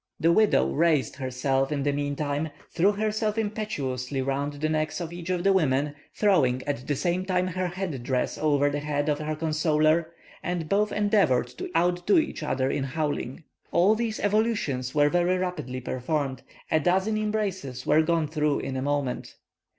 The widow raised herself in the meantime, threw herself impetuously round the necks of each of the women, throwing, at the same time, her head dress over the head of her consoler, and both endeavoured to out do each other in howling. All these evolutions were very rapidly performed; a dozen embraces were gone through in a moment.